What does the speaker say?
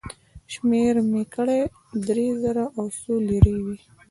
شمېر مې کړې، درې زره او څو لېرې وې.